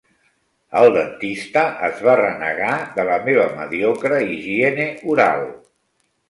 El dentista es va renegar de la meva mediocre higiene oral.